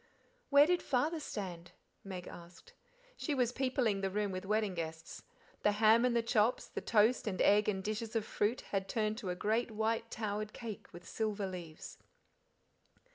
"Where did Father stand?" Meg asked. She was peopling the room with wedding guests; the ham and the chops, the toast and eggs and dishes of fruit, had turned to a great white towered cake with silver leaves.